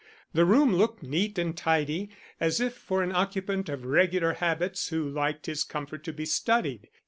The room looked neat and tidy, as if for an occupant of regular habits who liked his comfort to be studied.